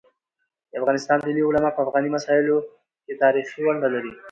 د افغانستان دیني علماء په افغاني مسايلو کيتاریخي ونډه لري.